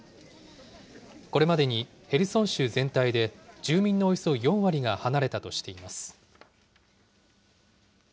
これまでにヘルソン州全体で住民のおよそ４割が離れたとしています。